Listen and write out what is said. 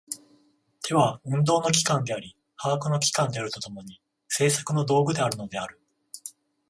手は運動の機関であり把握の機関であると共に、製作の道具であるのである。